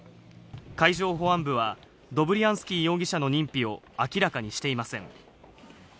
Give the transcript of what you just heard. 海上保安部はドブリアンスキー容疑者の認否を明らかにしていません。